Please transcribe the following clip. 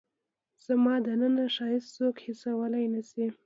زما دننه ښایست څوک حسولای نه شي